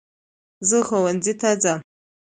زہ ښوونځي ته ځم